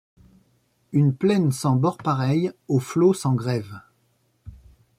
Une plaine sans bords pareille aux flots sans grève